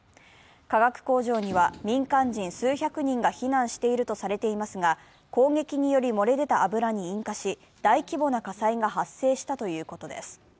化学工場には民間人数百人が避難しているとされていますが攻撃により漏れ出た油に引火し大規模な火災が発生したということです。